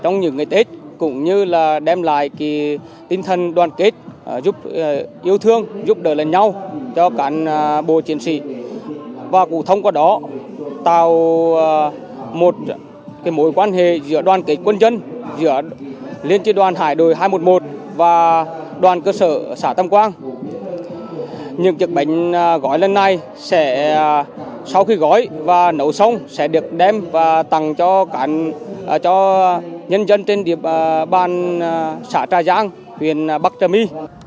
những chiếc bánh gói lên này sẽ sau khi gói và nấu xong sẽ được đem và tặng cho nhân dân trên địa bàn xã trà giang huyện bắc trâm y